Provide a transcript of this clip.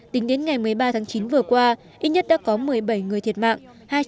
tính đến ngày một mươi ba tháng chín vừa qua ít nhất đã có một mươi bảy người thiệt mạng